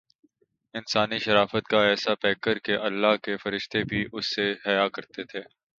انسانی شرافت کاایسا پیکرکہ اللہ کے فرشتے بھی ان سے حیا کرتے تھے۔